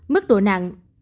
mức độ nặng